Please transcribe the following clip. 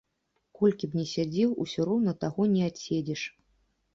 Колькі б ні сядзеў, усё роўна таго не адседзіш.